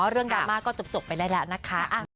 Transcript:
เรื่องดราม่าก็จบไปได้แล้วนะคะ